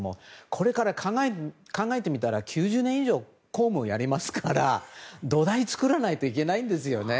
これから考えてみたら９０年以上公務をやりますから土台を作らないといけないんですよね。